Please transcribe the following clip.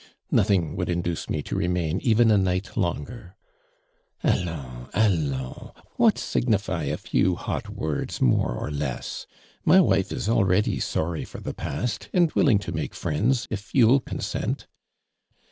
" Nothing would induce me to remairt even a night longer." '■^Allona! alloiis ! What signify a few hot words more or less ? My wife is already sorry for the past and willing to make friends if you'll consent."